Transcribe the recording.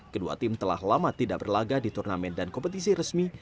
kedua tim telah lama tidak berlaga di turnamen dan kompetisi resmi